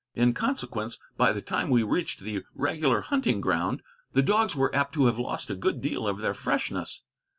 In consequence, by the time we reached the regular hunting ground, the dogs were apt to have lost a good deal of their freshness.